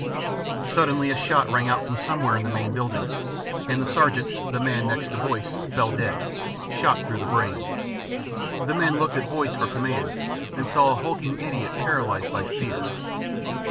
Suddenly a shot rang out from somewhere in the main building, and the Sergeant, the next man to Boyce, fell dead, shot through the brain. The men looked at Boyce for command and saw a hulking idiot paralysed by fear.